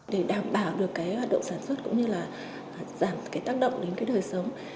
để đảm bảo được cái độ sản xuất cũng như là giảm cái tác động đến cái đời sống